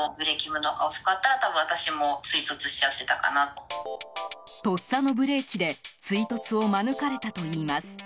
とっさのブレーキで追突を免れたといいます。